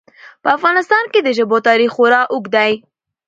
په افغانستان کې د ژبو تاریخ خورا اوږد دی.